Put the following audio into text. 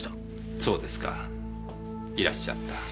そうですかいらっしゃった。